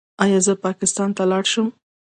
ایا زه پاکستان ته لاړ شم؟